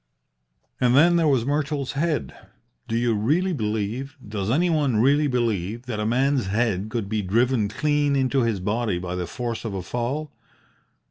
"And then there was Myrtle's head. Do you really believe does anybody really believe that a man's head could be driven clean into his body by the force of a fall?